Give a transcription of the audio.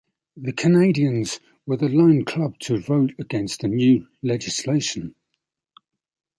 The Canadiens were the lone club to vote against the new legislation.